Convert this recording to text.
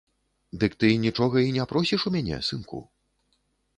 Дык ты нічога і не просіш у мяне, сынку?